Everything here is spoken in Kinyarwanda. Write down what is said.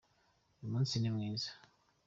Uyu munsi ni mwiza.